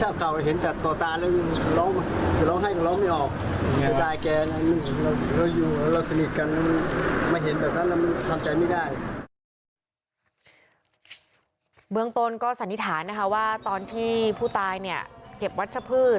เบื้องต้นก็สันนิษฐานนะคะว่าตอนที่ผู้ตายเนี่ยเก็บวัชพืช